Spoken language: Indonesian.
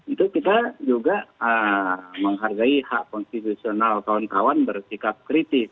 itu kita juga menghargai hak konstitusional kawan kawan bersikap kritis